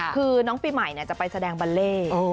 คือน้องปีใหม่จะไปแสดงบัลเล่